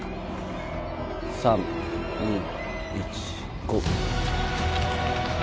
３・２・１ゴ−。